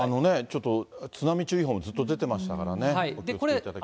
ちょっと津波注意報もずっと出てましたからね、お気をつけいただきたいと思います。